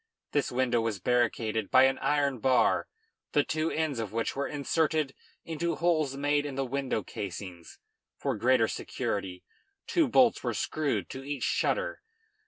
This window was barricaded by an iron bar, the two ends of which were inserted into holes made in the window casings. For greater security, two bolts were screwed to each shutter.